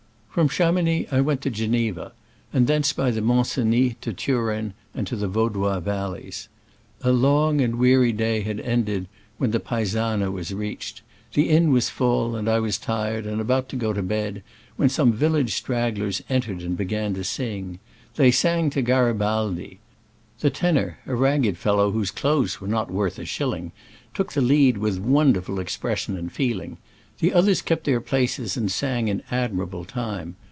From Chamounix I went to Geneva, and thence by the Mont Cenis to Turin and to the Vaudois valleys. A long and weary day had ended when Paes ana was reached. The inn was full, and I was tired and about to go to bed when some village stragglers entered and began to sing. They sang to Gari baldi ! The tenor, a ragged fellow, whose clothes were not worth a shilling, took the lead with wonderful expression and feeling. The others kept their places and sang in admirable time.